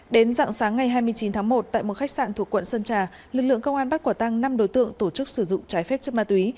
đến dạng sáng ngày hai mươi chín tháng một tại một khách sạn thuộc quận sơn trà lực lượng công an bắt quả tăng năm đối tượng tổ chức sử dụng trái phép chất ma túy